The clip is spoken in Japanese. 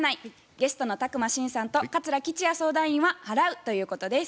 ゲストの宅麻伸さんと桂吉弥相談員は「払う」ということです。